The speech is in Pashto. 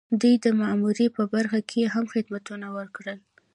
دوی د معمارۍ په برخه کې هم خدمتونه وکړل.